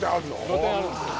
露天あるんですよ